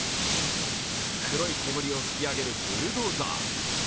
黒い煙を噴き上げるブルドーザー。